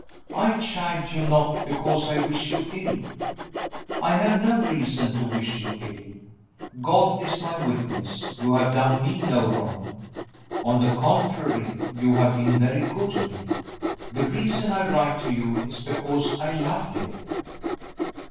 I chide you not because I wish you ill. I have no reason to wish you ill. God is my witness, you have done me no wrong. On the contrary, you have been very good to me. The reason I write to you is because I love you."